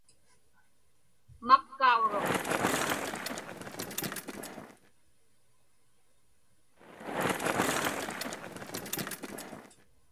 Makkauruq.